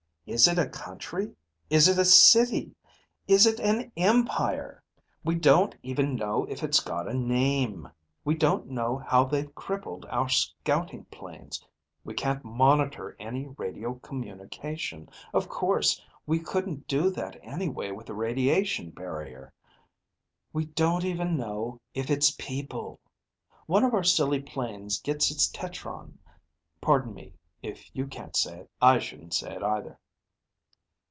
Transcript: Is it a country? Is it a city? Is it an empire? We don't even know if it's got a name. We don't know how they've crippled our scouting planes. We can't monitor any radio communication. Of course we couldn't do that anyway with the radiation barrier. We don't even know if it's people. One of our silly planes gets its tetron (Pardon me. If you can't say it, I shouldn't say it either.)